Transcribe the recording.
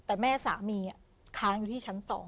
แต่แม่สามีค้างอยู่ที่ชั้น๒